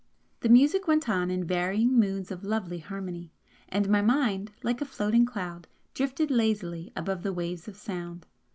The music went on in varying moods of lovely harmony, and my mind, like a floating cloud, drifted lazily above the waves of sound.